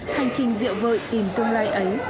hành trình diệu vợi tìm tương lai ấy